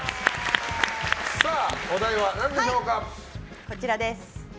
お題は何でしょうか？